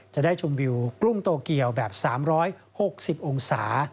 จะได้ชมวิวกรุงโตเกียวแบบ๓๖๐องศา